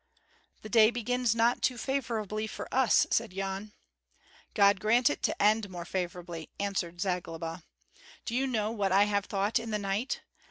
"The day begins not too favorably for us," said Yan. "God grant it to end more favorably," answered Zagloba. "Do you know what I have thought in the night?